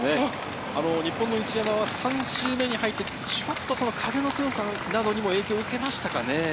日本の一山は３周目に入ってちょっと風の強さなどにも影響を受けましたかね。